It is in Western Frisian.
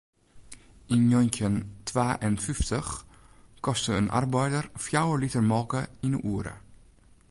Yn njoggentjin twa en fyftich koste in arbeider fjouwer liter molke yn 'e oere.